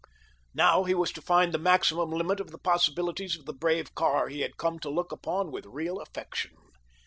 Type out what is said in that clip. Now he was to find the maximum limit of the possibilities of the brave car he had come to look upon with real affection.